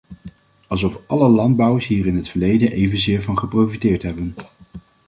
Alsof alle landbouwers hier in het verleden evenzeer van geprofiteerd hebben.